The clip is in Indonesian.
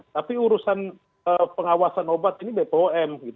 tapi urusan pengawasan obat ini bpom